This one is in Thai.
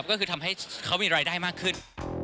ก็คือทำให้เขามีรายได้มากขึ้น